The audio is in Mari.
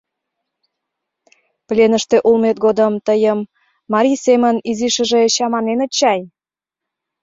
Пленыште улмет годым тыйым марий семын изишыже чаманеныт чай?